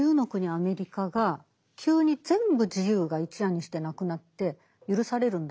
アメリカが急に全部自由が一夜にしてなくなって許されるんだろう。